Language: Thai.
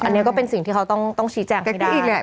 อันนี้ก็เป็นสิ่งที่เขาต้องชี้แจงให้ได้แหละ